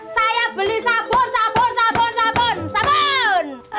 saya beli sabun sabun sabun sabun sabun